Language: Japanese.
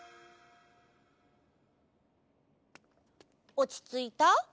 おちついた？